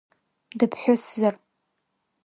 Дыԥҳәысзар…